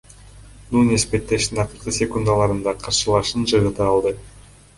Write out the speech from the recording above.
Нунес беттештин акыркы секундаларында каршылашын жыгыта алды.